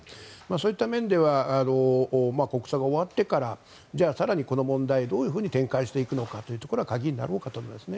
そういった面では国葬が終わってからじゃあ、更にこの問題どう展開していくのかというのは鍵になろうかと思います。